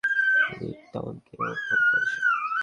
লিনেটকে ও খুন করেছে?